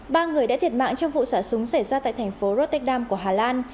ba người đã thiệt mạng trong vụ xả súng xảy ra tại thành phố rotterdam của hà lan